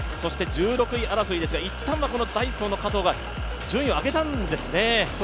１６位争いですが、一旦はダイソーの加藤が順位を上げたんですね。